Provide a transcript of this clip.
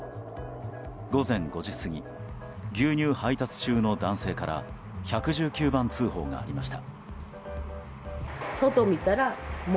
午前５時すぎ牛乳配達中の男性から１１９番通報がありました。